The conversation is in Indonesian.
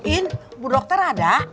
im bu dokter ada